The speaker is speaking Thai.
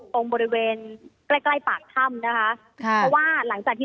ตรงบริเวณใกล้ใกล้ปากถ้ำนะคะค่ะเพราะว่าหลังจากที่